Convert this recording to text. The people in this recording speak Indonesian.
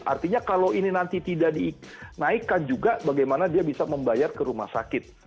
artinya kalau ini nanti tidak dinaikkan juga bagaimana dia bisa membayar ke rumah sakit